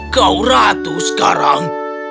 kau ratu sekarang